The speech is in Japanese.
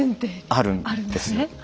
あるんですね。